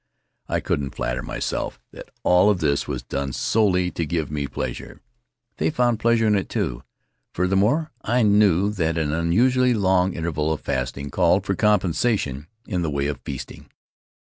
I couldn't flatter myself that all of this was done solely to give me pleasure. They found pleasure in it too, and, furthermore, I Faery Lands of the South Seas knew that an unusually long interval of fasting called for compensation in the way of feasting.